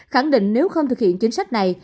khẳng định nếu không thực hiện chính sách này